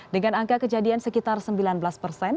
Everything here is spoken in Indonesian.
dengan angka kejadian sekitar sembilan belas persen